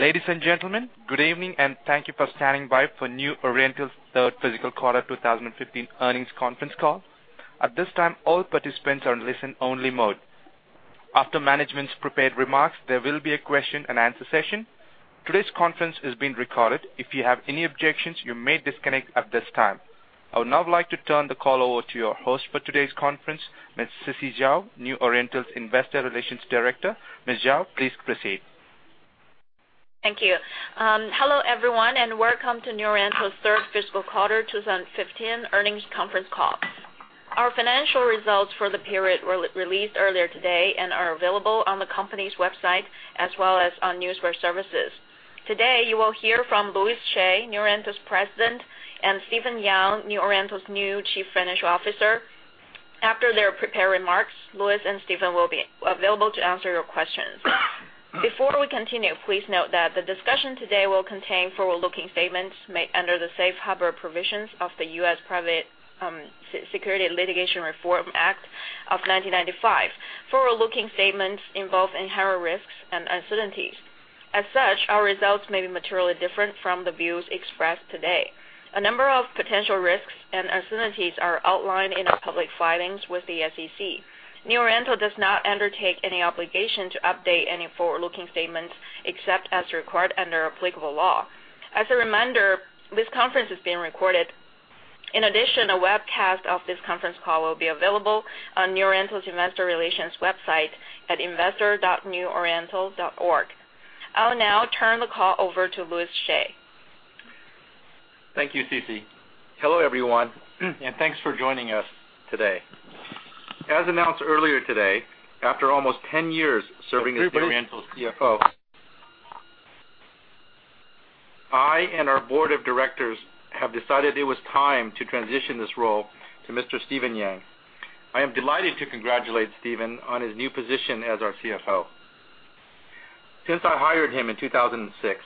Ladies and gentlemen, good evening and thank you for standing by for New Oriental's third fiscal quarter 2015 earnings conference call. At this time, all participants are in listen only mode. After management's prepared remarks, there will be a question and answer session. Today's conference is being recorded. If you have any objections, you may disconnect at this time. I would now like to turn the call over to your host for today's conference, Ms. Sisi Zhao, New Oriental's Investor Relations Director. Ms. Zhao, please proceed. Thank you. Hello, everyone, and welcome to New Oriental's third fiscal quarter 2015 earnings conference call. Our financial results for the period were released earlier today and are available on the company's website as well as on Newswire Services. Today, you will hear from Louis Hsieh, New Oriental's President, and Stephen Yang, New Oriental's new Chief Financial Officer. After their prepared remarks, Louis and Stephen will be available to answer your questions. Before we continue, please note that the discussion today will contain forward-looking statements made under the safe harbor provisions of the U.S. Private Securities Litigation Reform Act of 1995. Forward-looking statements involve inherent risks and uncertainties. As such, our results may be materially different from the views expressed today. A number of potential risks and uncertainties are outlined in our public filings with the SEC. New Oriental does not undertake any obligation to update any forward-looking statements, except as required under applicable law. As a reminder, this conference is being recorded. In addition, a webcast of this conference call will be available on New Oriental's investor relations website at investor.neworiental.org. I'll now turn the call over to Louis Hsieh. Thank you, Sisi. Hello, everyone, and thanks for joining us today. As announced earlier today, after almost 10 years serving as New Oriental's CFO, I and our board of directors have decided it was time to transition this role to Mr. Stephen Yang. I am delighted to congratulate Stephen on his new position as our CFO. Since I hired him in 2006,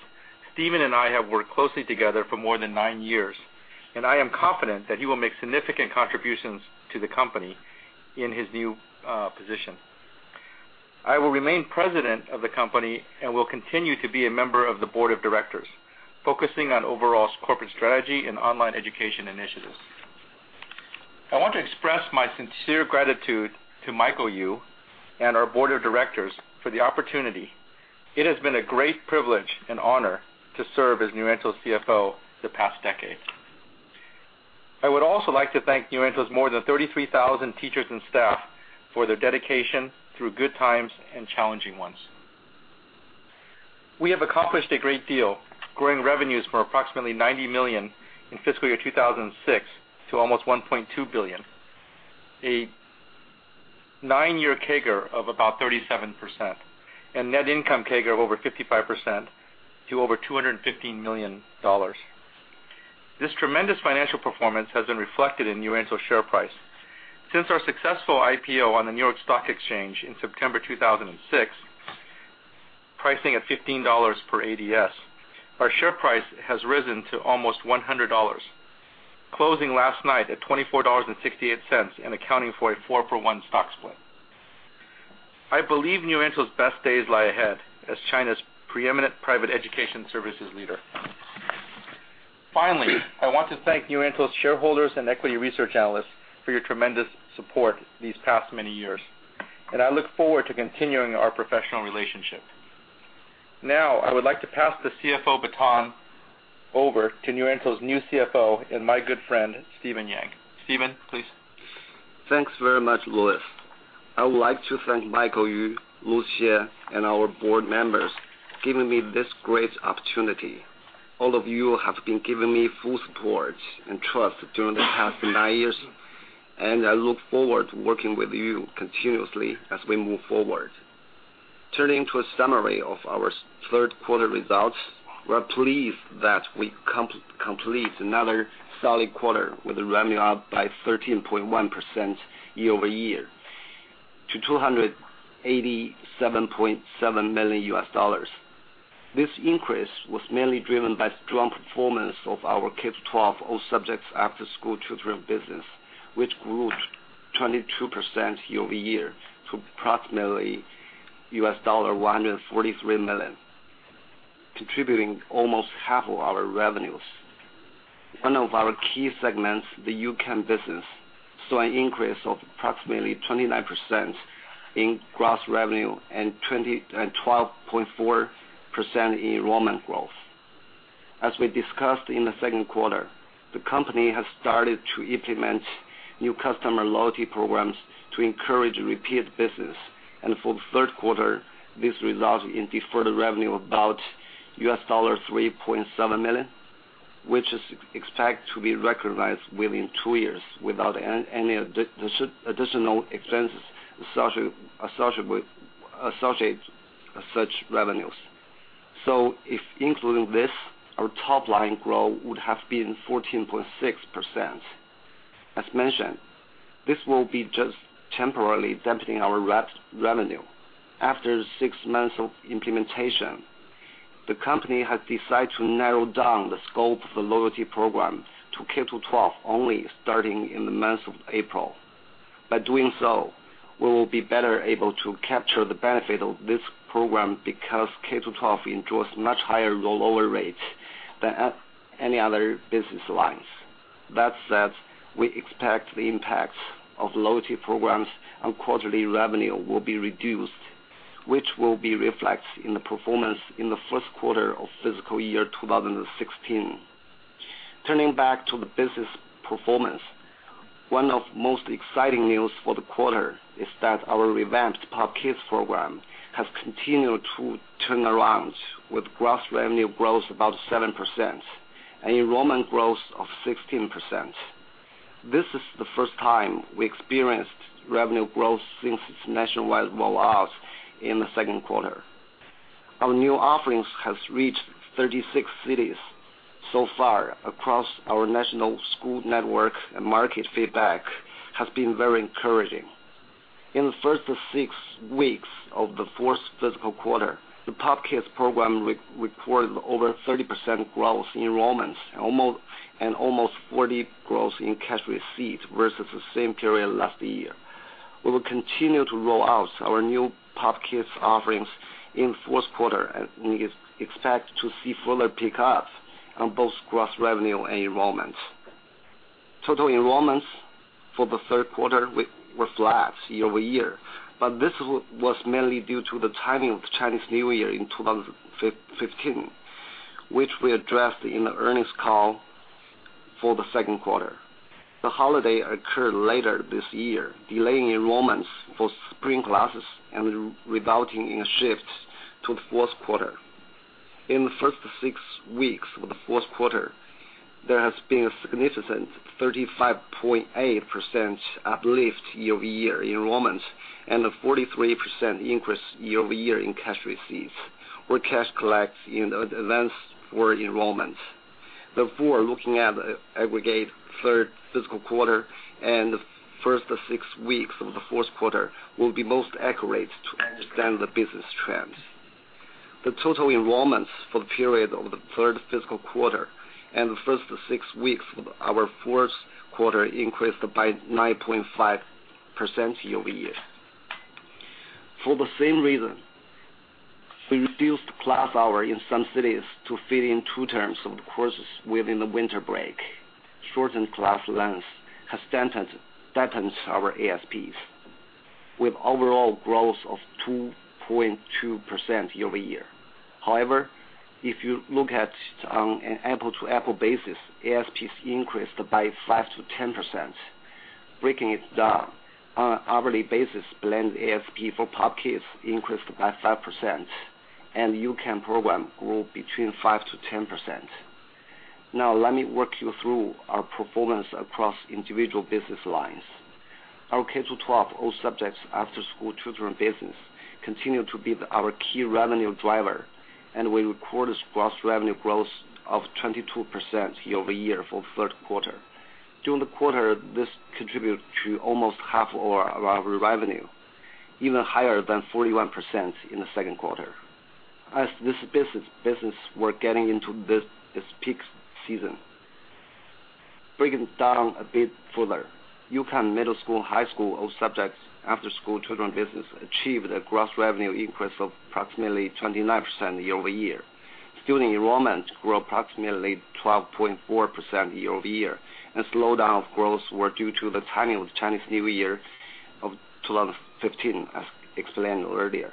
Stephen and I have worked closely together for more than nine years, and I am confident that he will make significant contributions to the company in his new position. I will remain President of the company and will continue to be a member of the board of directors, focusing on overall corporate strategy and online education initiatives. I want to express my sincere gratitude to Michael Yu and our board of directors for the opportunity. It has been a great privilege and honor to serve as New Oriental's CFO the past decade. I would also like to thank New Oriental's more than 33,000 teachers and staff for their dedication through good times and challenging ones. We have accomplished a great deal, growing revenues from approximately $90 million in fiscal year 2006 to almost $1.2 billion. A nine-year CAGR of about 37%, and net income CAGR of over 55% to over $215 million. This tremendous financial performance has been reflected in New Oriental's share price. Since our successful IPO on the New York Stock Exchange in September 2006, pricing at $15 per ADS, our share price has risen to almost $100, closing last night at $24.68 and accounting for a four-for-one stock split. I believe New Oriental's best days lie ahead as China's preeminent private education services leader. I want to thank New Oriental's shareholders and equity research analysts for your tremendous support these past many years, and I look forward to continuing our professional relationship. Now, I would like to pass the CFO baton over to New Oriental's new CFO and my good friend, Stephen Yang. Stephen, please. Thanks very much, Louis. I would like to thank Michael Yu, Louis Hsieh, and our board members giving me this great opportunity. All of you have been giving me full support and trust during the past nine years, and I look forward to working with you continuously as we move forward. Turning to a summary of our third quarter results, we are pleased that we completed another solid quarter with revenue up by 13.1% year-over-year to $287.7 million U.S. dollars. This increase was mainly driven by strong performance of our K-12 all subjects after school tutoring business, which grew 22% year-over-year to approximately $143 million, contributing almost half of our revenues. One of our key segments, the U-Can business, saw an increase of approximately 29% in gross revenue and 12.4% in enrollment growth. As we discussed in the second quarter, the company has started to implement new customer loyalty programs to encourage repeat business. For the third quarter, this resulted in deferred revenue of about $3.7 million, which is expected to be recognized within two years without any additional expenses associated with such revenues. If including this, our top-line growth would have been 14.6%. As mentioned, this will be just temporarily dampening our revenue. After six months of implementation, the company has decided to narrow down the scope of the loyalty program to K-12 only starting in the month of April. By doing so, we will be better able to capture the benefit of this program because K-12 enjoys much higher rollover rates than any other business lines. That said, we expect the impacts of loyalty programs on quarterly revenue will be reduced, which will be reflected in the performance in the first quarter of fiscal year 2016. Turning back to the business performance, one of most exciting news for the quarter is that our revamped POP Kids program has continued to turn around with gross revenue growth about 7% and enrollment growth of 16%. This is the first time we experienced revenue growth since its nationwide roll out in the second quarter. Our new offerings have reached 36 cities so far across our national school network, and market feedback has been very encouraging. In the first six weeks of the fourth fiscal quarter, the POP Kids program recorded over 30% growth in enrollments and almost 40% growth in cash receipts versus the same period last year. We will continue to roll out our new POP Kids offerings in fourth quarter, we expect to see further pick up on both gross revenue and enrollment. Total enrollments for the third quarter were flat year-over-year, this was mainly due to the timing of the Chinese New Year in 2015, which we addressed in the earnings call for the second quarter. The holiday occurred later this year, delaying enrollments for spring classes and resulting in a shift to the fourth quarter. In the first six weeks of the fourth quarter, there has been a significant 35.8% uplift year-over-year enrollment, a 43% increase year-over-year in cash receipts or cash collected in advance for enrollment. Looking at aggregate third fiscal quarter and the first six weeks of the fourth quarter will be most accurate to understand the business trends. The total enrollments for the period of the third fiscal quarter and the first six weeks of our fourth quarter increased by 9.5% year-over-year. For the same reason, we reduced class hours in some cities to fit in two terms of courses within the winter break. Shortened class lengths has dampened our ASPs with overall growth of 2.2% year-over-year. If you look at it on an apple-to-apple basis, ASPs increased by 5%-10%. Breaking it down on an hourly basis, blended ASP for POP Kids increased by 5%, the U-Can program grew between 5%-10%. Let me walk you through our performance across individual business lines. Our K-12 all subjects after-school tutoring business continued to be our key revenue driver, we recorded gross revenue growth of 22% year-over-year for third quarter. During the quarter, this contributed to almost half of our revenue, even higher than 41% in the second quarter, as this business was getting into its peak season. Breaking it down a bit further, U-Can middle school and high school all subjects after-school tutoring business achieved a gross revenue increase of approximately 29% year-over-year. Student enrollment grew approximately 12.4% year-over-year, slowdown of growth was due to the timing of the Chinese New Year of 2015, as explained earlier.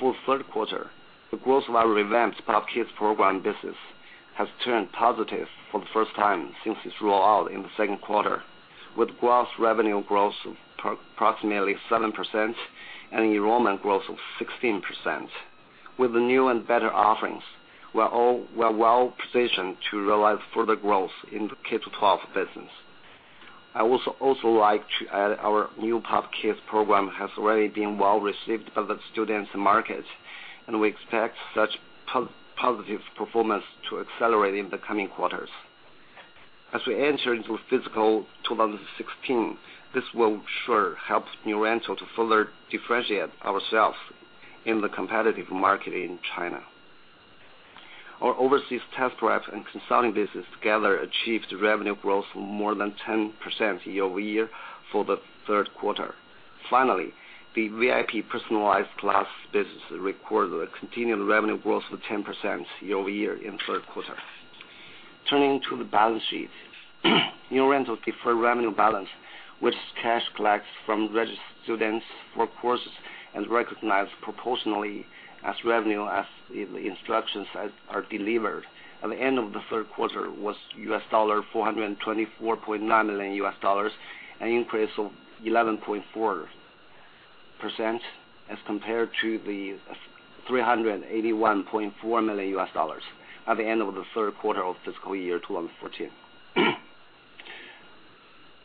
For the third quarter, the growth of our revamped POP Kids program business has turned positive for the first time since its rollout in the second quarter, with gross revenue growth of approximately 7% and enrollment growth of 16%. With the new and better offerings, we are well-positioned to realize further growth in the K-12 business. I would also like to add our new POP Kids program has already been well-received by the students and market. We expect such positive performance to accelerate in the coming quarters. As we enter into fiscal 2016, this will sure help New Oriental to further differentiate ourselves in the competitive market in China. Our overseas test prep and consulting business together achieved revenue growth more than 10% year-over-year for the third quarter. Finally, the VIP personalized class business recorded a continued revenue growth of 10% year-over-year in the third quarter. Turning to the balance sheet, New Oriental's deferred revenue balance with cash collected from registered students for courses and recognized proportionally as revenue as the instructions are delivered at the end of the third quarter was $424.9 million, an increase of 11.4% as compared to the $381.4 million at the end of the third quarter of fiscal year 2014.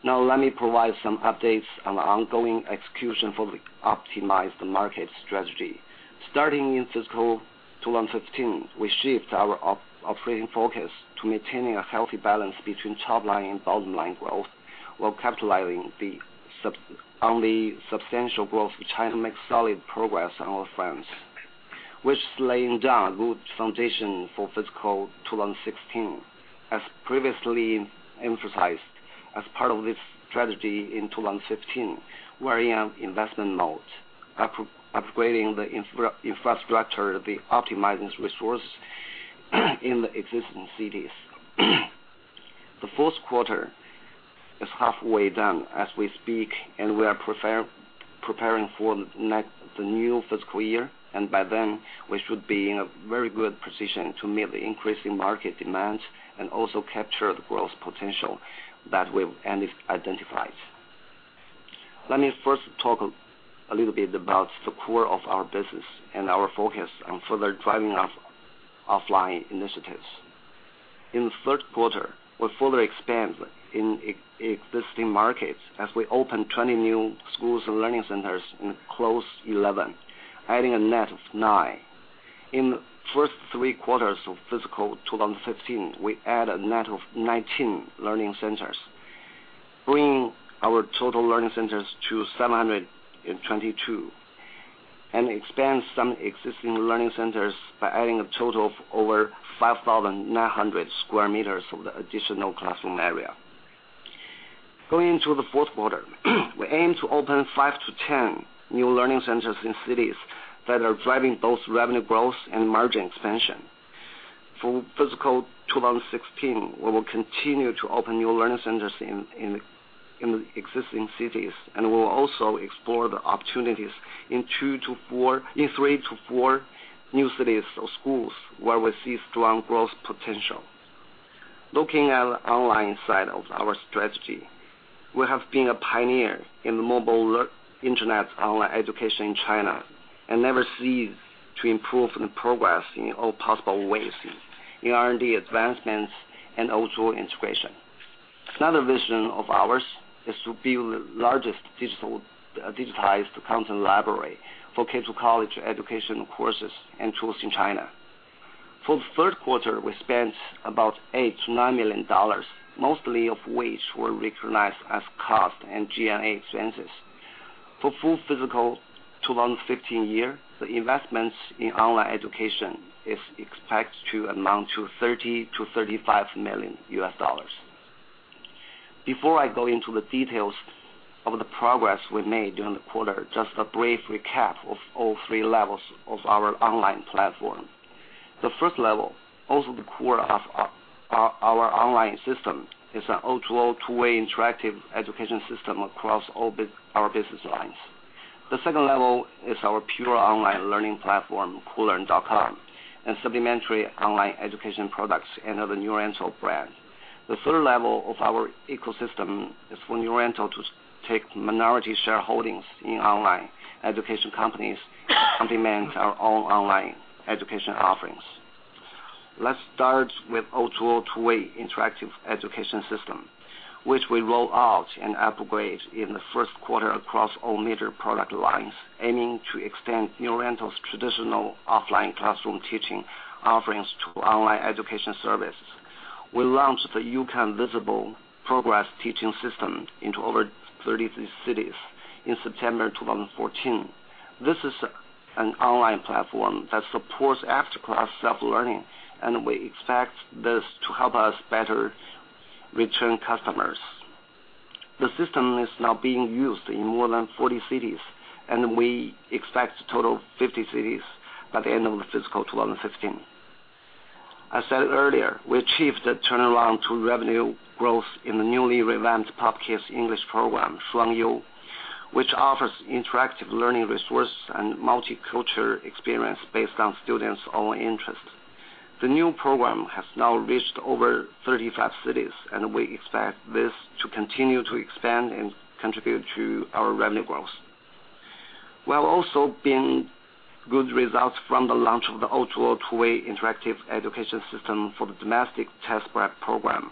Let me provide some updates on the ongoing execution for the optimized market strategy. Starting in fiscal 2015, we shifted our operating focus to maintaining a healthy balance between top line and bottom line growth while capitalizing on the substantial growth of China to make solid progress on all fronts, which is laying down a good foundation for fiscal 2016. As previously emphasized, as part of this strategy in 2015, we are in investment mode, upgrading the infrastructure, optimizing resources in the existing cities. The fourth quarter is halfway done as we speak. We are preparing for the new fiscal year. By then, we should be in a very good position to meet the increasing market demands and also capture the growth potential that we've identified. Let me first talk a little bit about the core of our business and our focus on further driving our offline initiatives. In the third quarter, we further expand in existing markets as we open 20 new schools and learning centers and close 11, adding a net of nine. In the first three quarters of fiscal 2015, we add a net of 19 learning centers, bringing our total learning centers to 722, and expand some existing learning centers by adding a total of over 5,900 sq m of additional classroom area. Going into the fourth quarter, we aim to open five to 10 new learning centers in cities that are driving both revenue growth and margin expansion. For fiscal 2016, we will continue to open new learning centers in the existing cities. We will also explore the opportunities in three to four new cities or schools where we see strong growth potential. Looking at the online side of our strategy, we have been a pioneer in the mobile internet online education in China, never cease to improve and progress in all possible ways, in R&D advancements and O2O integration. Another vision of ours is to build the largest digitized content library for K-12 college education courses and tools in China. For the third quarter, we spent about $8 million-$9 million, most of which were recognized as cost and G&A expenses. For full fiscal 2015 year, the investments in online education is expected to amount to $30 million to $35 million U.S. dollars. Before I go into the details of the progress we made during the quarter, just a brief recap of all three levels of our online platform. The first level, also the core of our online system, is an O2O two-way interactive education system across all our business lines. The second level is our pure online learning platform, Koolearn.com, and supplementary online education products under the New Oriental brand. The third level of our ecosystem is for New Oriental to take minority shareholdings in online education companies to complement our own online education offerings. Let's start with O2O two-way interactive education system, which we roll out and upgrade in the first quarter across all major product lines, aiming to extend New Oriental's traditional offline classroom teaching offerings to online education services. We launched the U-Can Visible Progress teaching system into over 33 cities in September 2014. This is an online platform that supports after-class self-learning. We expect this to help us better return customers. The system is now being used in more than 40 cities. We expect a total of 50 cities by the end of fiscal 2015. I said earlier, we achieved a turnaround to revenue growth in the newly revamped POP Kids English program, Shuangyu, which offers interactive learning resources and multicultural experience based on students' own interests. The new program has now reached over 35 cities. We expect this to continue to expand and contribute to our revenue growth. We have also seen good results from the launch of the O2O two-way interactive education system for the domestic test-prep program.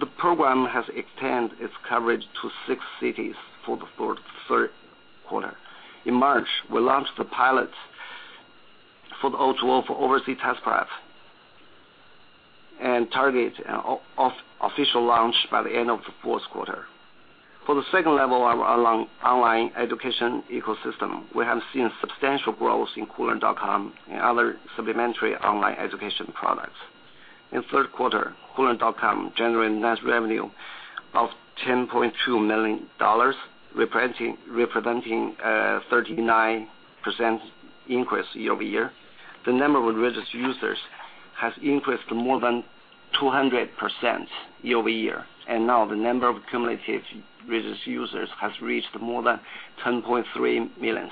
The program has extended its coverage to 6 cities for the third quarter. In March, we launched the pilot for the O2O for overseas test-prep. We target official launch by the end of the fourth quarter. For the second level of our online education ecosystem, we have seen substantial growth in Koolearn.com and other supplementary online education products. In the third quarter, Koolearn.com generated a net revenue of $10.2 million, representing a 39% increase year-over-year. The number of registered users has increased more than 200% year-over-year. Now the number of cumulative registered users has reached more than 10.3 million.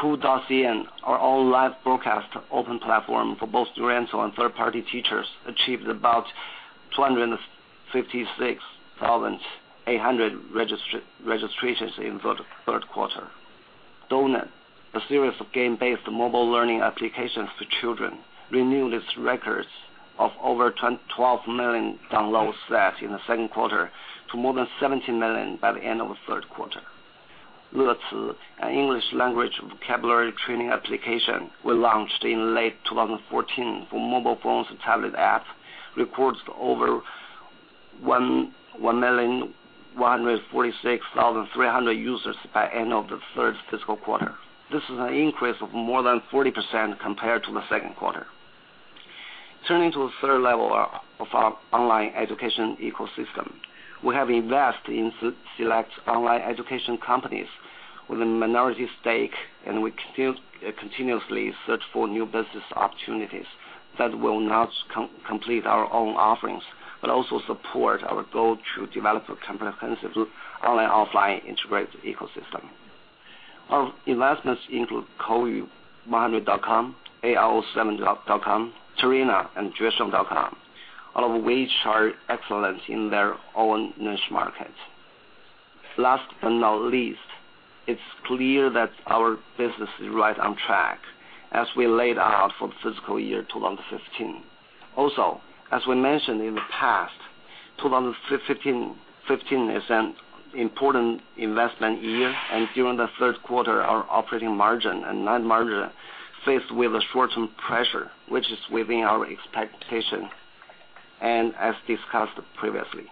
Cool.cn, our own live broadcast open platform for both New Oriental and third-party teachers, achieved about 256,800 registrations in the third quarter. Donut, a series of game-based mobile learning applications for children, renewed its records of over 12 million downloads set in the second quarter to more than 17 million by the end of the third quarter. Lecí, an English language vocabulary training application we launched in late 2014 for mobile phones and tablet apps, records over 1,146,300 users by end of the third fiscal quarter. This is an increase of more than 40% compared to the second quarter. Turning to the third level of our online education ecosystem. We have invested in select online education companies with a minority stake. We continuously search for new business opportunities that will not complement our own offerings, but also support our goal to develop a comprehensive online/offline integrated ecosystem. Our investments include [Koyuu], [Maonu.com], [AI07.com], Tarena, and Juesheng.com, all of which are excellent in their own niche markets. Last but not least, it is clear that our business is right on track, as we laid out for the fiscal year 2015. As we mentioned in the past, 2015 is an important investment year, and during the third quarter, our operating margin and net margin faced with a short-term pressure, which is within our expectation, as discussed previously.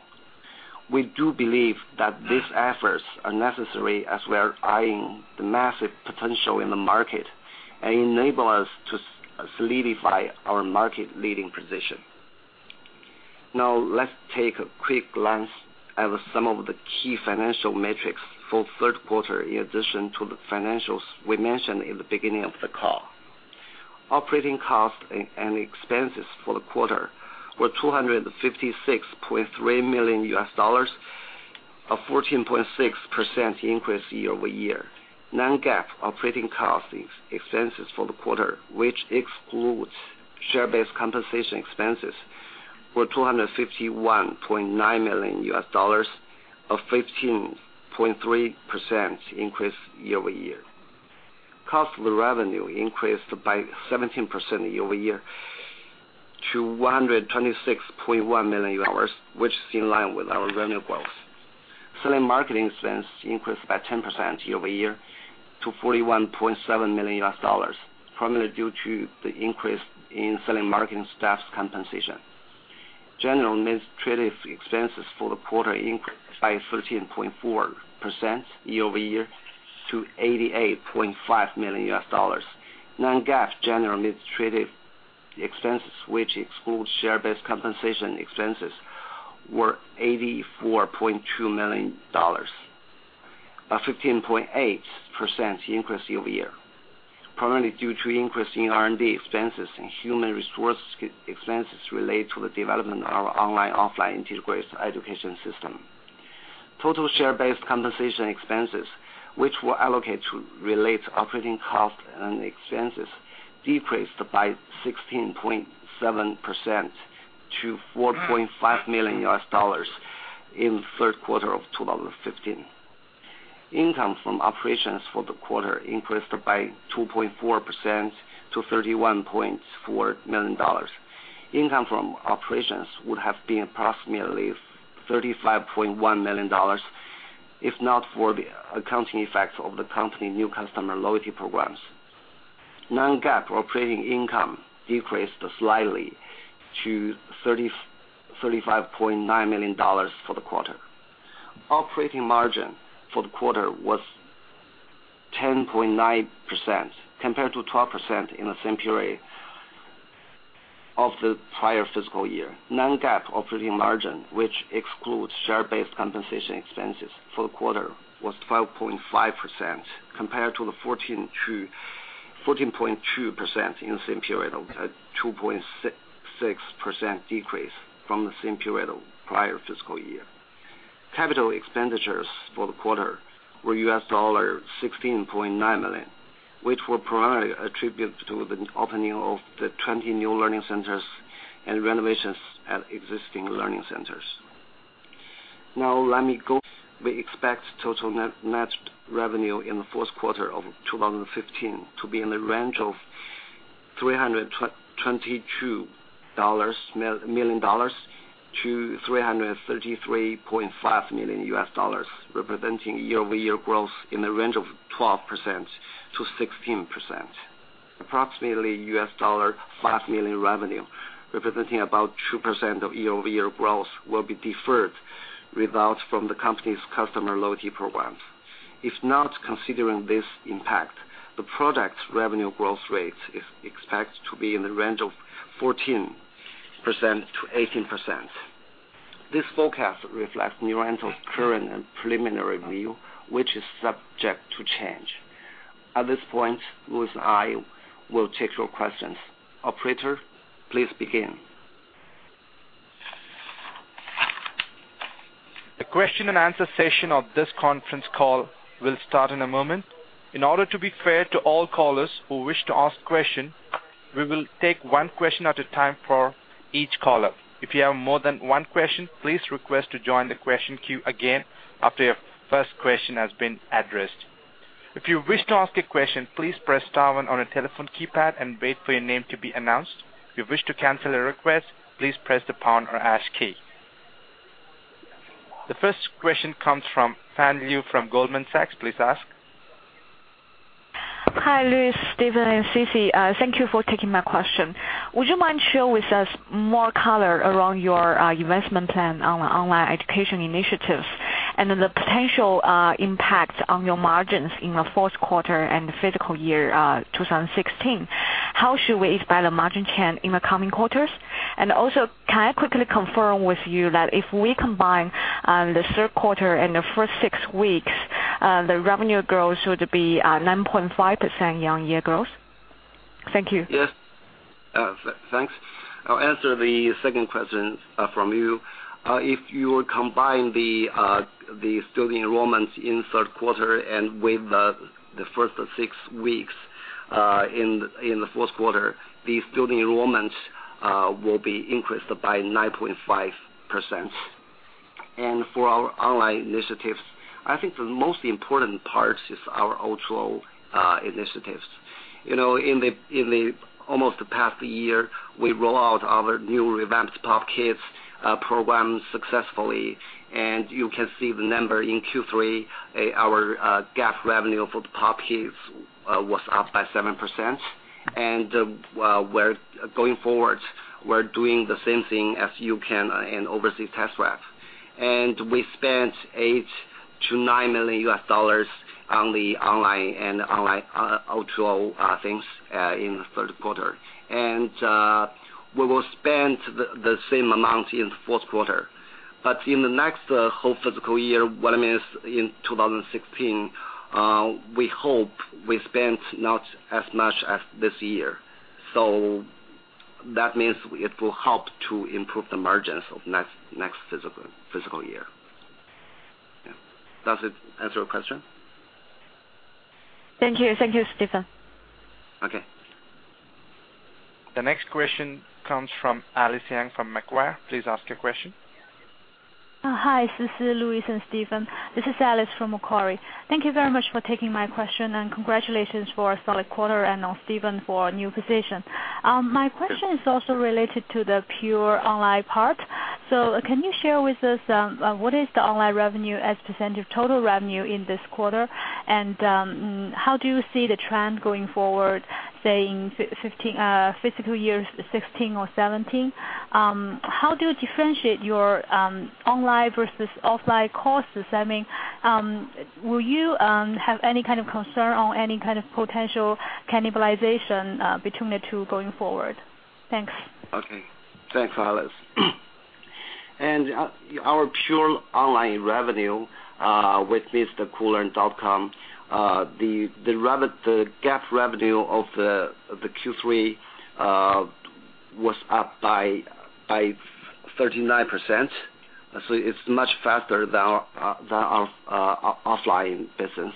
We do believe that these efforts are necessary as we are eyeing the massive potential in the market and enable us to solidify our market-leading position. Now, let us take a quick glance at some of the key financial metrics for third quarter in addition to the financials we mentioned in the beginning of the call. Operating costs and expenses for the quarter were $256.3 million, a 14.6% increase year-over-year. Non-GAAP operating costs expenses for the quarter, which excludes share-based compensation expenses, were $251.9 million, a 15.3% increase year-over-year. Cost of revenue increased by 17% year-over-year to $126.1 million, which is in line with our revenue growth. Selling marketing expense increased by 10% year-over-year to $41.7 million, primarily due to the increase in selling marketing staff's compensation. General and administrative expenses for the quarter increased by 13.4% year-over-year to $88.5 million. Non-GAAP general administrative expenses, which excludes share-based compensation expenses, were $84.2 million, a 15.8% increase year-over-year, primarily due to increase in R&D expenses and human resource expenses related to the development of our online/offline integrated education system. Total share-based compensation expenses, which were allocated to relate operating costs and expenses, decreased by 16.7% to $4.5 million in the third quarter of 2015. Income from operations for the quarter increased by 2.4% to $31.4 million. Income from operations would have been approximately $35.1 million if not for the accounting effects of the company new customer loyalty programs. Non-GAAP operating income decreased slightly to $35.9 million for the quarter. Operating margin for the quarter was 10.9% compared to 12% in the same period of the prior fiscal year. Non-GAAP operating margin, which excludes share-based compensation expenses for the quarter, was 12.5% compared to the 14.2% in the same period, a 2.6% decrease from the same period of prior fiscal year. Capital expenditures for the quarter were $16.9 million, which were primarily attributed to the opening of the 20 new learning centers and renovations at existing learning centers. We expect total net revenue in the fourth quarter of 2015 to be in the range of $322 million-$333.5 million, representing year-over-year growth in the range of 12%-16%. Approximately $5 million revenue, representing about 2% of year-over-year growth, will be deferred results from the company's customer loyalty programs. If not considering this impact, the product's revenue growth rate is expected to be in the range of 14%-18%. This forecast reflects New Oriental's current and preliminary view, which is subject to change. At this point, Louis and I will take your questions. Operator, please begin. The question and answer session of this conference call will start in a moment. In order to be fair to all callers who wish to ask question, we will take one question at a time for each caller. If you have more than one question, please request to join the question queue again after your first question has been addressed. If you wish to ask a question, please press star one on your telephone keypad and wait for your name to be announced. If you wish to cancel a request, please press the pound or hash key. The first question comes from Fan Liu from Goldman Sachs. Please ask. Hi, Louis, Stephen, and Sisi. Thank you for taking my question. Would you mind share with us more color around your investment plan on the online education initiatives and the potential impact on your margins in the fourth quarter and fiscal year 2016? How should we expect the margin trend in the coming quarters? Can I quickly confirm with you that if we combine the third quarter and the first six weeks, the revenue growth should be 9.5% year-on-year growth? Thank you. Yes. Thanks. I'll answer the second question from you. If you combine the student enrollments in third quarter and with the first six weeks in the fourth quarter, the student enrollments will be increased by 9.5%. For our online initiatives, I think the most important part is our O2O initiatives. In the almost past year, we roll out our new revamped POP Kids program successfully, and you can see the number in Q3, our GAAP revenue for the POP Kids was up by 7%. Going forward, we're doing the same thing as U-Can and Overseas Test Prep. We spent $8 million-$9 million on the online and online O2O things in the third quarter. We will spend the same amount in the fourth quarter. In the next whole fiscal year, what I mean is in 2016, we hope we spend not as much as this year. That means it will help to improve the margins of next fiscal year. Yeah. Does it answer your question? Thank you. Thank you, Stephen. Okay. The next question comes from Alice Yang from Macquarie. Please ask your question. Hi, Sisi, Louis, and Stephen. This is Alice from Macquarie. Thank you very much for taking my question, and congratulations for a solid quarter and Stephen for a new position. My question is also related to the pure online part. Can you share with us what is the online revenue as percentage of total revenue in this quarter, and how do you see the trend going forward, saying fiscal years 2016 or 2017? How do you differentiate your online versus offline courses? Will you have any kind of concern or any kind of potential cannibalization between the two going forward? Thanks. Okay. Thanks, Alice. Our pure online revenue, with this, the Koolearn.com, the GAAP revenue of the Q3 was up by 39%. It's much faster than our offline business.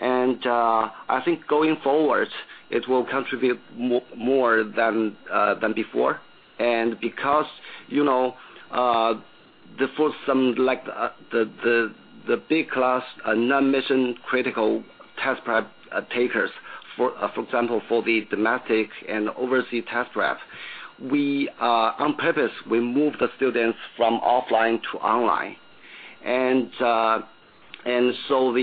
I think going forward, it will contribute more than before, and because the big class are non-mission critical test prep takers, for example, for the domestic and overseas test prep, on purpose, we move the students from offline to online. The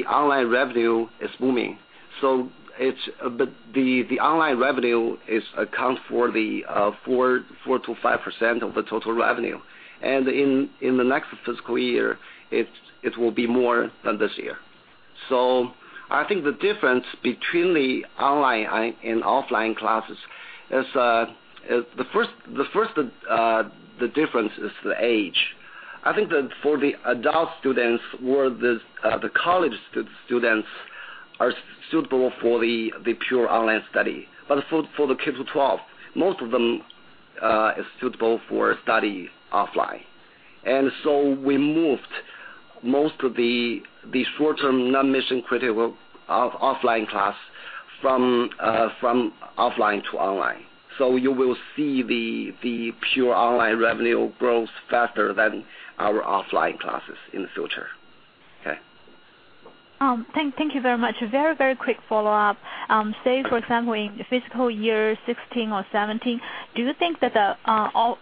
online revenue is booming. The online revenue accounts for the 4%-5% of the total revenue. In the next fiscal year, it will be more than this year. I think the difference between the online and offline classes is, the first difference is the age. I think that for the adult students or the college students are suitable for the pure online study. For the K-12, most of them are suitable for study offline. We moved most of the short-term, non-mission critical offline class from offline to online. You will see the pure online revenue grows faster than our offline classes in the future. Okay. Thank you very much. A very, very quick follow-up. Say, for example, in fiscal year 2016 or 2017, do you think that the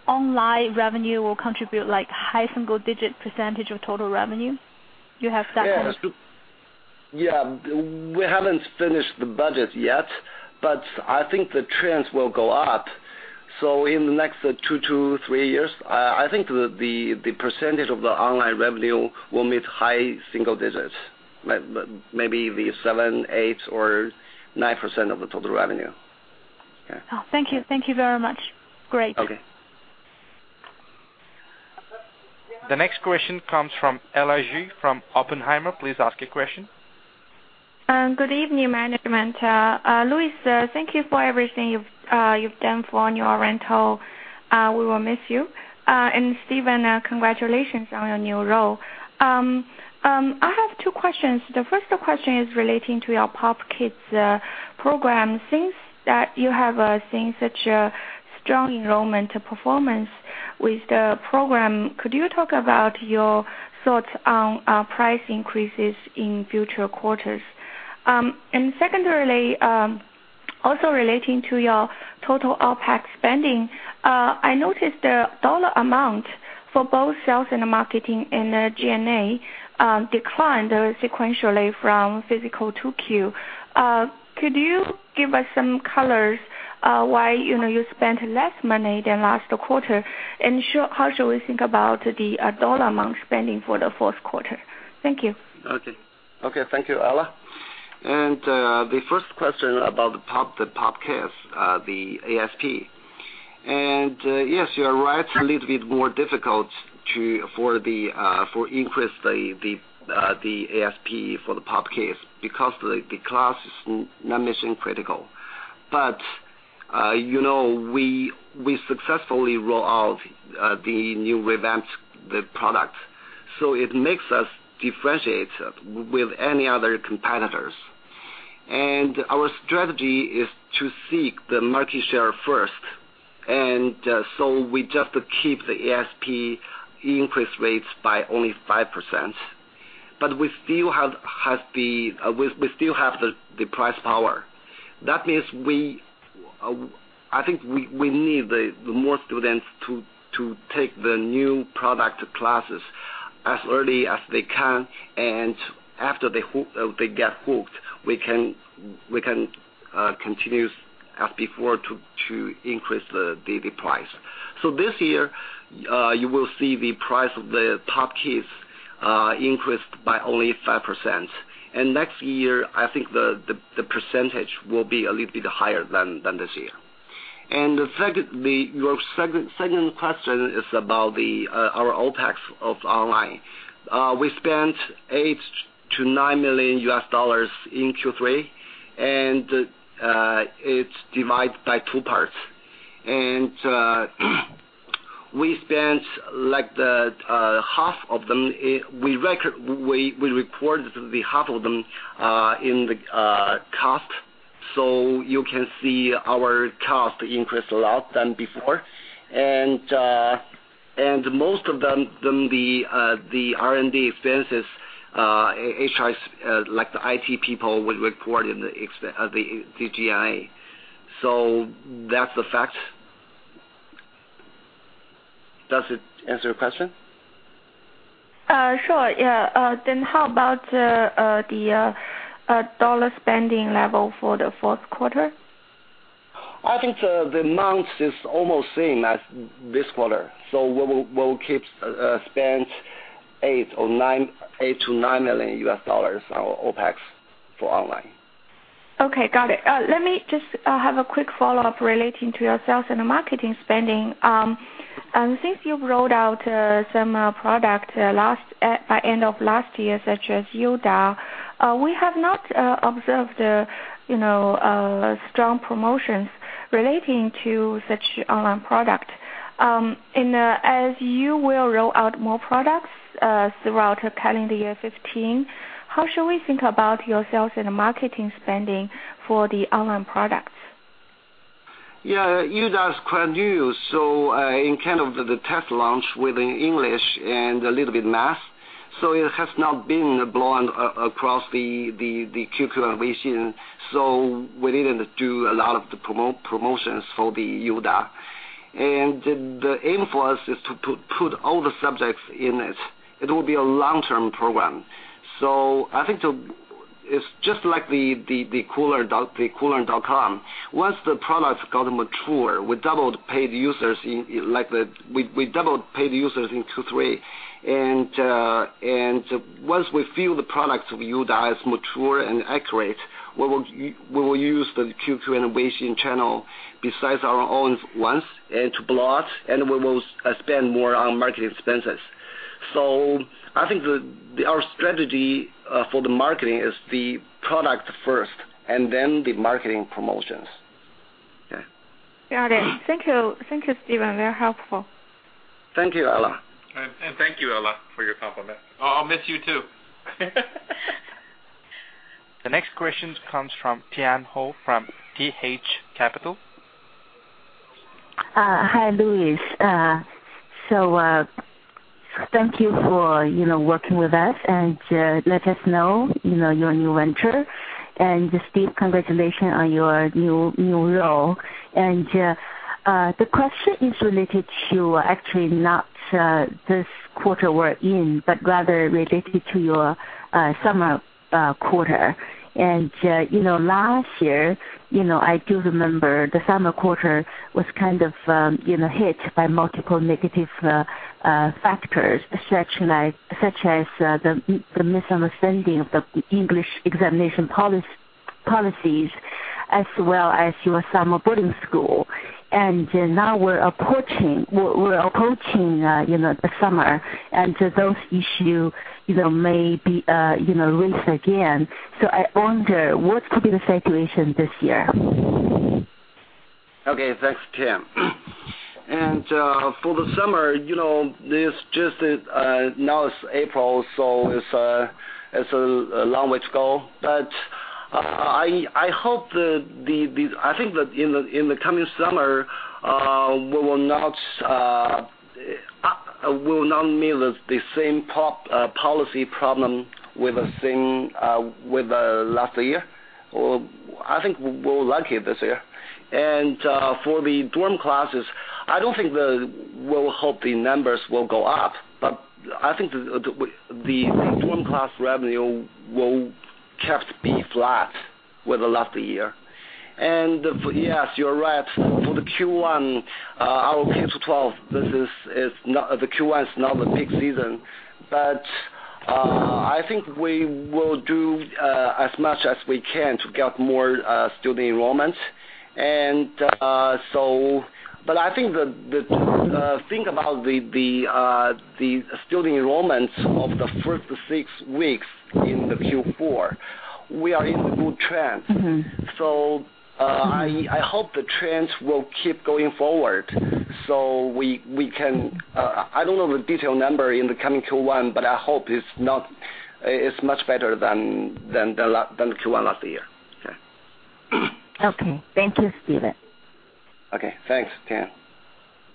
online revenue will contribute high single-digit % of total revenue? Do you have that- Yes. We haven't finished the budget yet, I think the trends will go up. In the next two to three years, I think the percentage of the online revenue will meet high single digits, maybe the 7%, 8%, or 9% of the total revenue. Okay. Thank you. Thank you very much. Great. Okay. The next question comes from Ella Xu from Oppenheimer. Please ask your question. Good evening, management. Louis, thank you for everything you've done for New Oriental. We will miss you. Stephen, congratulations on your new role. I have two questions. The first question is relating to your POP Kids program. Since you have seen such a strong enrollment performance with the program, could you talk about your thoughts on price increases in future quarters? Secondly, also relating to your total OPEX spending. I noticed the dollar amount for both sales and marketing and G&A declined sequentially from fiscal 2Q. Could you give us some color why you spent less money than last quarter, and how should we think about the dollar amount spending for the fourth quarter? Thank you. Okay. Thank you, Ella. The first question about the POP Kids, the ASP. Yes, you are right, a little bit more difficult to increase the ASP for the POP Kids because the class is non-mission-critical. It makes us differentiate with any other competitors. Our strategy is to seek the market share first. We just keep the ASP increase rates by only 5%. We still have the price power. That means, I think we need the more students to take the new product classes as early as they can. After they get hooked, we can continue as before to increase the price. This year, you will see the price of the POP Kids increased by only 5%. Next year, I think the percentage will be a little bit higher than this year. Your second question is about our OPEX of online. We spent $8 million-$9 million in Q3. It's divided by two parts. We spent half of them, we recorded the half of them in the cost, you can see our cost increased a lot than before. Most of them, the R&D expenses, HRs, like the IT people, would report in the G&A. That's the fact. Does it answer your question? Sure, yeah. How about the dollar spending level for the fourth quarter? I think the amount is almost same as this quarter. We'll keep spend $8 million-$9 million on OPEX for online. Okay, got it. Let me just have a quick follow-up relating to your sales and marketing spending. Since you've rolled out some product by end of last year, such as Youdao, we have not observed strong promotions relating to such online product. As you will roll out more products throughout calendar year 2015, how should we think about your sales and marketing spending for the online products? Yeah. Youdao is quite new. In kind of the test launch within English and a little bit math. It has not been blown across the QQ and Weixin, so we didn't do a lot of the promotions for the Youdao. The aim for us is to put all the subjects in it. It will be a long-term program. I think it's just like the Koolearn.com. Once the product got mature, we doubled paid users in Q3. Once we feel the product of Youdao is mature and accurate, we will use the QQ and Weixin channel besides our own ones and to blog, and we will spend more on marketing expenses. I think our strategy for the marketing is the product first, and then the marketing promotions. Yeah. Got it. Thank you, Stephen. Very helpful. Thank you, Ella. Thank you, Ella, for your compliment. I'll miss you, too. The next question comes from Tian Hou from TH Capital. Hi, Louis. Thank you for working with us and let us know your new venture. Steve, congratulations on your new role. The question is related to actually not this quarter we're in, but rather related to your summer quarter. Last year, I do remember the summer quarter was kind of hit by multiple negative factors, such as the misunderstanding of the English examination policies as well as your summer boarding school. Now we're approaching the summer, and those issue may be raised again. I wonder, what could be the situation this year? Okay. Thanks, Tian. For the summer, now it's April, it's a long way to go, I think that in the coming summer, we will not meet the same policy problem with the last year. I think we're lucky this year. For the dorm classes, I don't think we will hope the numbers will go up, I think the dorm class revenue will be kept flat with last year. Yes, you're right. For the Q1, our K-12, the Q1 is not the peak season, I think we will do as much as we can to get more student enrollment. I think about the student enrollment of the first six weeks in the Q4, we are in a good trend. I hope the trends will keep going forward we can I don't know the detailed number in the coming Q1, I hope it's much better than Q1 last year. Yeah. Okay. Thank you, Stephen. Okay, thanks, Tian.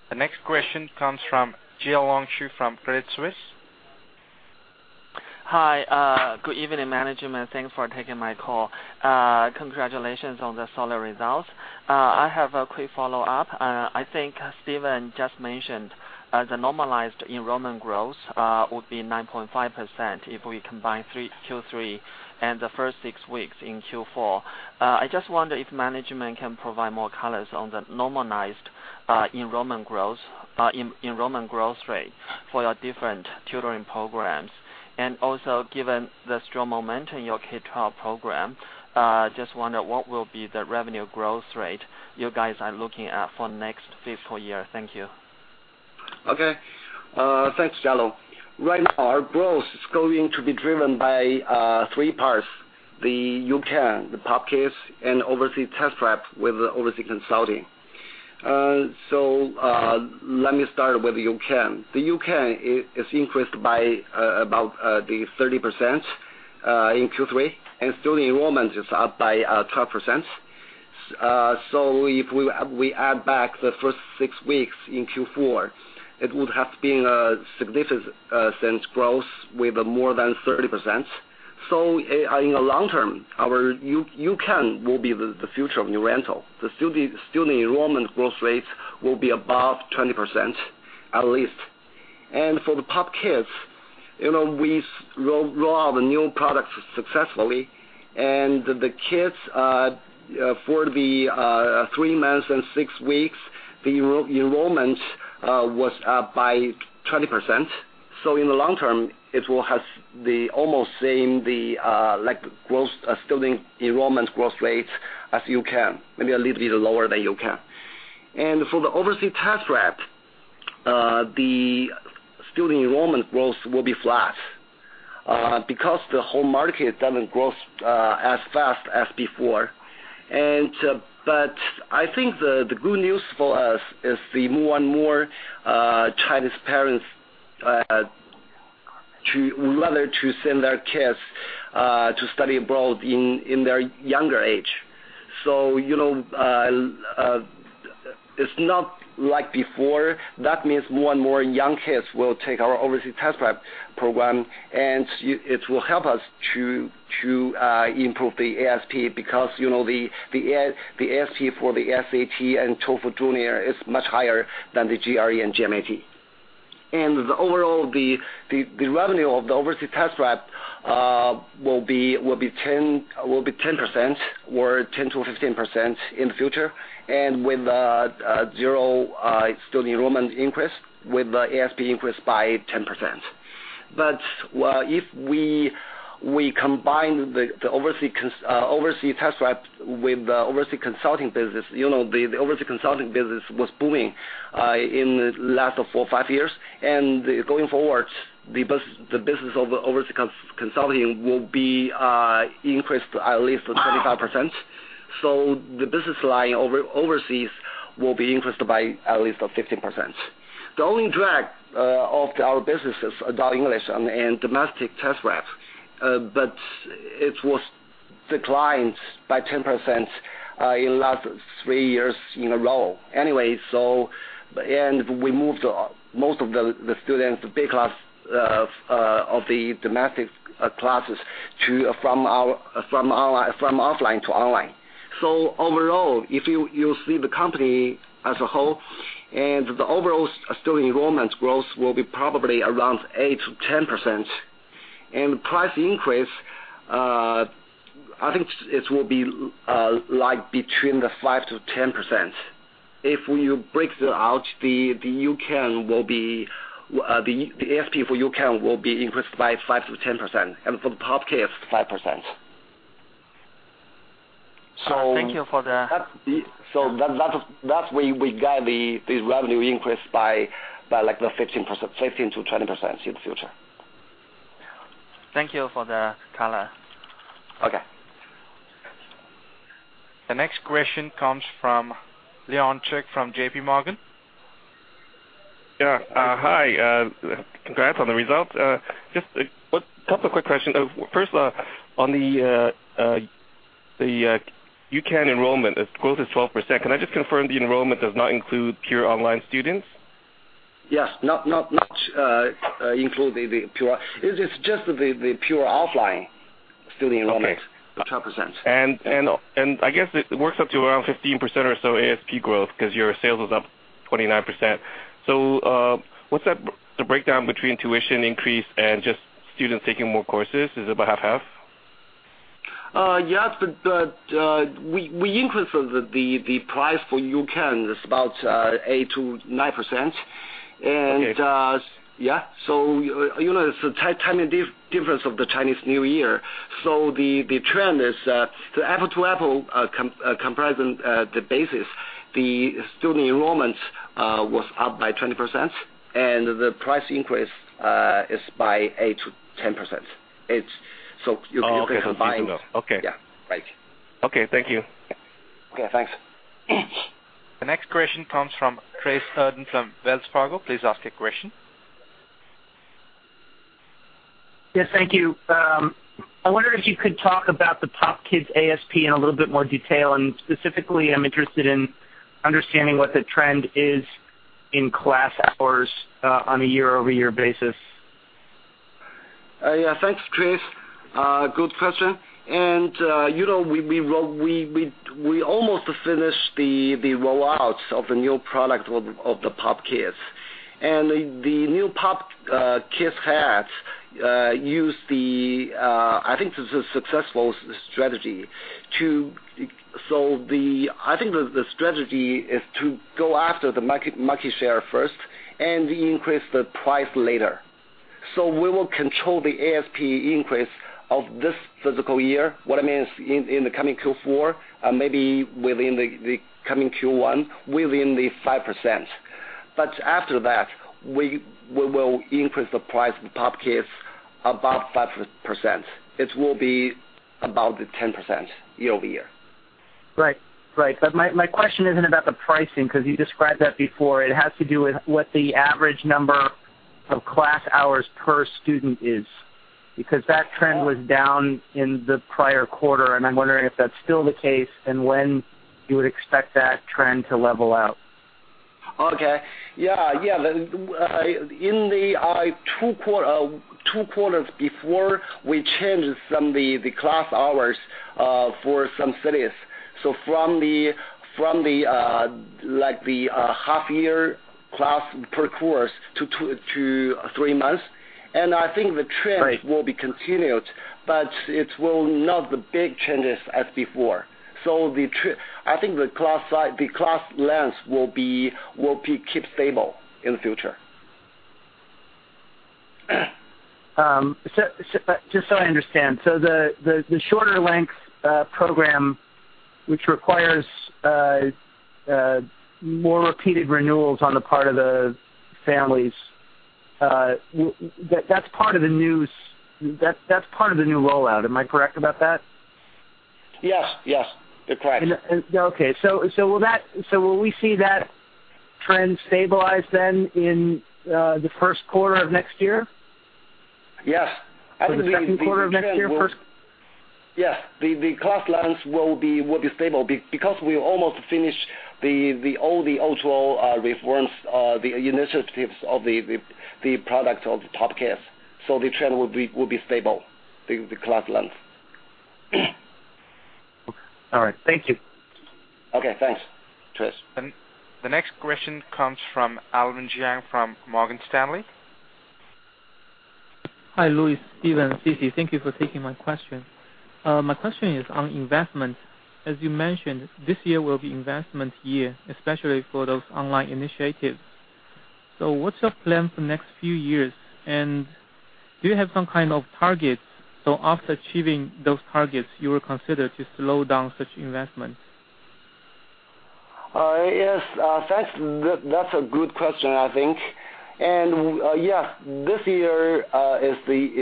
The next question comes from Jialong Xu from Credit Suisse. Hi. Good evening, management. Thanks for taking my call. Congratulations on the solid results. I have a quick follow-up. I think Stephen just mentioned the normalized enrollment growth would be 9.5% if we combine Q3 and the first six weeks in Q4. I just wonder if management can provide more colors on the normalized enrollment growth rate for your different tutoring programs. Given the strong momentum in your K-12 program, I just wonder what will be the revenue growth rate you guys are looking at for next fiscal year. Thank you. Okay. Thanks, Jialong. Right now, our growth is going to be driven by three parts, the U-Can, the POP Kids, and overseas test prep with the overseas consulting. Let me start with U-Can. The U-Can has increased by about 30% in Q3, and student enrollment is up by 12%. If we add back the first six weeks in Q4, it would have been a significant growth with more than 30%. In the long term, our U-Can will be the future of New Oriental. The student enrollment growth rates will be above 20% at least. For the POP Kids, we roll out the new products successfully, and the kids, for the three months and six weeks, the enrollment was up by 20%. In the long term, it will have the almost same student enrollment growth rate as U-Can, maybe a little bit lower than U-Can. For the overseas test prep, the student enrollment growth will be flat because the whole market doesn't grow as fast as before. I think the good news for us is more and more Chinese parents would rather send their kids to study abroad at their younger age. It's not like before. That means more and more young kids will take our overseas test prep program, and it will help us to improve the ASP because the ASP for the SAT and TOEFL Junior is much higher than the GRE and GMAT. Overall, the revenue of the overseas test prep will be 10% or 10%-15% in the future, with zero student enrollment increase, with the ASP increase by 10%. If we combine the overseas test prep with the overseas consulting business, the overseas consulting business was booming in the last 4 or 5 years. Going forward, the business of overseas consulting will be increased at least 25%. The business line overseas will be increased by at least 15%. The only drag of our businesses are DaDa English and domestic test prep, but it declined by 10% in the last 3 years in a row. Anyway, we moved most of the students, the B class of the domestic classes, from offline to online. Overall, if you see the company as a whole, the overall student enrollment growth will be probably around 8%-10%. Price increase, I think it will be between 5%-10%. If you break that out, the ASP for U-Can will be increased by 5%-10%, for the POP Kids, 5%. Thank you for the- That way, we guide the revenue increase by 15%-20% in the future. Thank you for the color. Okay. The next question comes from Leon Tse from JPMorgan. Hi. Congrats on the results. Just a couple quick questions. First, on the U-Can enrollment, its growth is 12%. Can I just confirm the enrollment does not include pure online students? Yes, not much include the pure. It is just the pure offline student enrollments. Okay of 12%. I guess it works up to around 15% or so ASP growth because your sales is up 29%. What's the breakdown between tuition increase and just students taking more courses? Is it about half? Yes, we increased the price for U-Can, it's about 8%-9%. Okay. Yeah. It's a tiny difference of the Chinese New Year. The trend is, the apple-to-apple comparison, the basis, the student enrollments was up by 20%, and the price increase is by 8%-10%. You can combine- Oh, okay. Yeah. Right. Okay. Thank you. Okay, thanks. The next question comes from Tracey Steuart from Wells Fargo. Please ask your question. Yes, thank you. I wondered if you could talk about the POP Kids ASP in a little bit more detail, and specifically, I am interested in understanding what the trend is in class hours on a year-over-year basis. Yeah. Thanks, Trace. Good question. We almost finished the roll-outs of the new product of the POP Kids. The new POP Kids has used the I think this is successful strategy. I think the strategy is to go after the market share first and increase the price later. We will control the ASP increase of this physical year, what I mean is in the coming Q4, maybe within the coming Q1, within 5%. After that, we will increase the price of POP Kids above 5%. It will be about 10% year-over-year. Right. My question isn't about the pricing, because you described that before. It has to do with what the average number of class hours per student is. That trend was down in the prior quarter, and I'm wondering if that's still the case, and when you would expect that trend to level out. Okay. Yeah. In the two quarters before, we changed some of the class hours for some cities. From the half-year class per course to three months. I think the trend. Right It will be continued, but it will not the big changes as before. I think the class length will be kept stable in the future. Just so I understand. The shorter length program, which requires more repeated renewals on the part of the families, that's part of the new rollout. Am I correct about that? Yes. You're correct. Okay. Will we see that trend stabilize then in the first quarter of next year? Yes. The second quarter of next year first? Yes. The class lengths will be stable because we almost finished all the actual reforms, the initiatives of the product of POP Kids. The trend will be stable, the class length. All right. Thank you. Okay, thanks, Tracey. The next question comes from Alvin Jiang from Morgan Stanley. Hi, Louis, Stephen, Sisi, thank you for taking my question. My question is on investment. As you mentioned, this year will be investment year, especially for those online initiatives. What's your plan for next few years, and do you have some kind of targets? After achieving those targets, you will consider to slow down such investments. Yes. Thanks. That's a good question, I think. Yeah, this year is the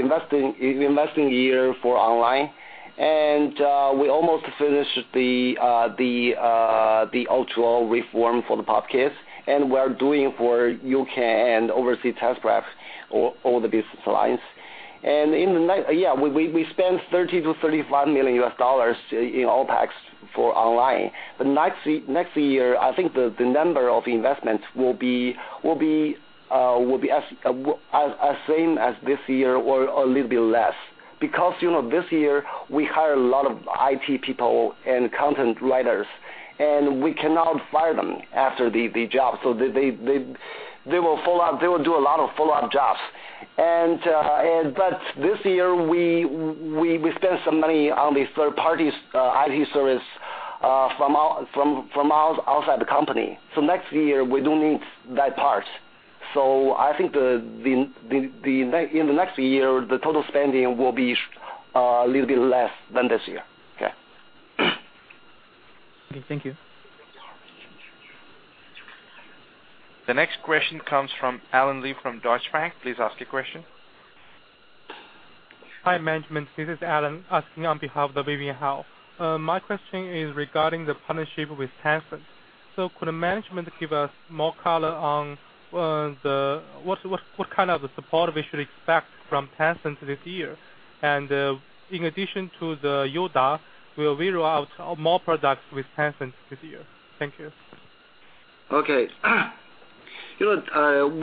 investing year for online. We almost finished the actual reform for the POP Kids, and we're doing for U-Can and overseas test prep, all the business lines. We spent $30 million to $35 million in OPEX for online. Next year, I think the number of investments will be as same as this year or a little bit less. Because this year, we hire a lot of IT people and content writers, and we cannot fire them after the job. They will do a lot of follow-up jobs. This year, we spent some money on the third party's IT service from outside the company. Next year, we don't need that part. I think in the next year, the total spending will be a little bit less than this year. Okay. Okay, thank you. The next question comes from Alan Lee from Deutsche Bank. Please ask your question. Hi, management. This is Alan asking on behalf of Vivian Hao. My question is regarding the partnership with Tencent. Could management give us more color on what kind of support we should expect from Tencent this year? In addition to the Youdao, will we roll out more products with Tencent this year? Thank you. We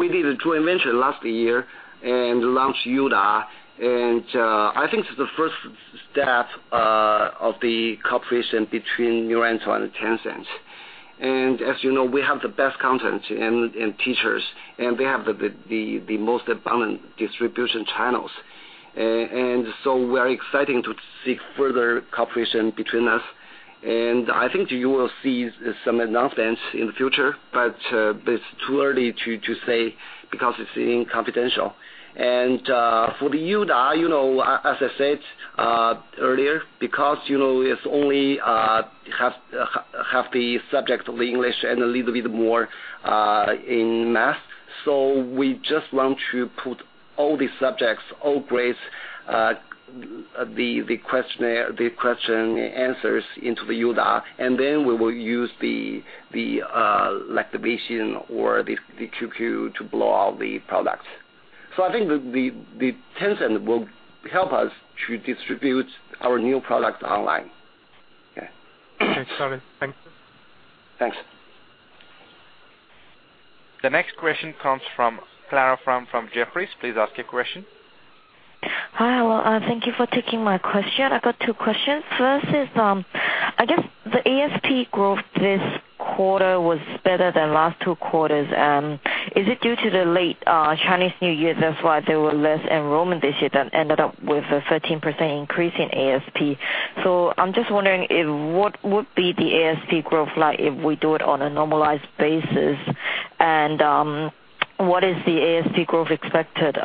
did a joint venture last year and launched Youdao. I think it's the first step of the cooperation between New Oriental and Tencent. As you know, we have the best content and teachers. They have the most abundant distribution channels. We're exciting to seek further cooperation between us. I think you will see some announcements in the future, but it's too early to say because it's in confidential. For the Youdao, as I said earlier, because it only have the subject of the English and a little bit more in math. We just want to put all the subjects, all grades, the question answers into the Youdao. Then we will use the activation or the QQ to blow out the product. I think that Tencent will help us to distribute our new product online. Okay. Thanks, Alan. Thank you. Thanks. The next question comes from Clara Frank from Jefferies. Please ask your question. Hi. Well, thank you for taking my question. I got two questions. First is, I guess the ASP growth this quarter was better than last two quarters. Is it due to the late Chinese New Year, that's why there were less enrollment this year that ended up with a 13% increase in ASP? I'm just wondering, what would be the ASP growth like if we do it on a normalized basis? What is the ASP growth expected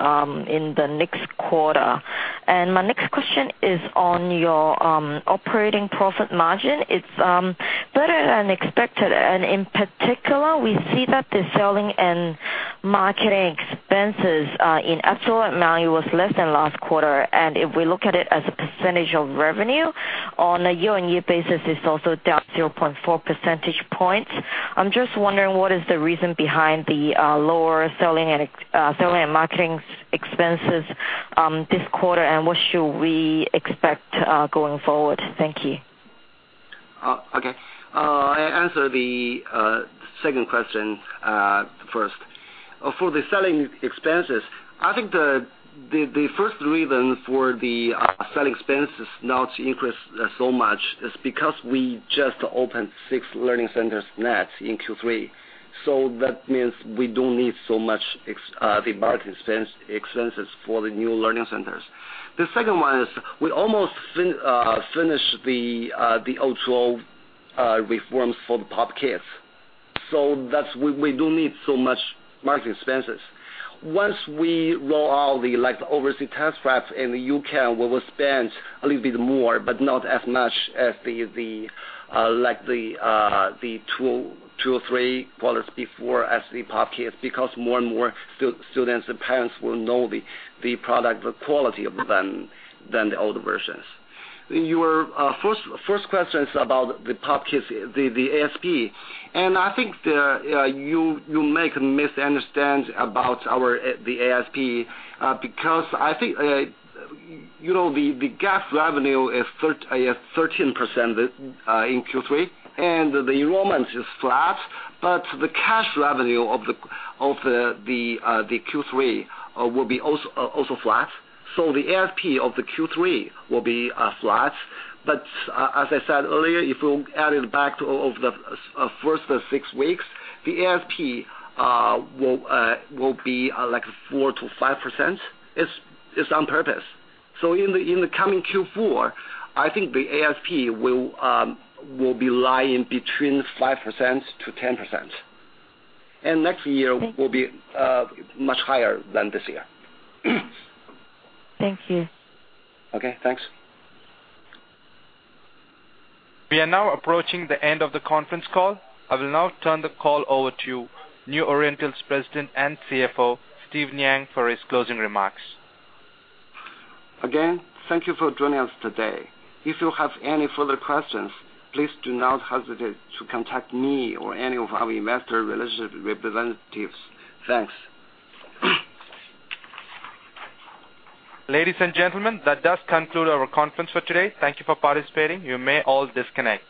in the next quarter? My next question is on your operating profit margin. It's better than expected. In particular, we see that the selling and marketing expenses, in absolute value, was less than last quarter. If we look at it as a percentage of revenue, on a year-on-year basis, it's also down 0.4 percentage points. I'm just wondering what is the reason behind the lower selling and marketing expenses this quarter, and what should we expect going forward? Thank you. Okay. I answer the second question first. For the selling expenses, I think the first reason for the selling expenses not to increase so much is because we just opened six learning centers net in Q3. That means we don't need so much the marketing expenses for the new learning centers. The second one is we almost finished the O2O reforms for the POP Kids. We don't need so much marketing expenses. Once we roll out the overseas test prep in the U-Can, we will spend a little bit more, but not as much as the two or three quarters before as the POP Kids, because more and more students and parents will know the product, the quality of them than the older versions. Your first question is about the POP Kids, the ASP. I think you make a misunderstanding about the ASP, because I think the GAAP revenue is 13% in Q3, the enrollment is flat, the cash revenue of the Q3 will be also flat. The ASP of the Q3 will be flat. As I said earlier, if we add it back to over the first six weeks, the ASP will be 4%-5%. It's on purpose. In the coming Q4, I think the ASP will be lying between 5%-10%. Next year will be much higher than this year. Thank you. Okay, thanks. We are now approaching the end of the conference call. I will now turn the call over to New Oriental's President and CFO, Steve Yang, for his closing remarks. Again, thank you for joining us today. If you have any further questions, please do not hesitate to contact me or any of our Investor Relations representatives. Thanks. Ladies and gentlemen, that does conclude our conference for today. Thank you for participating. You may all disconnect.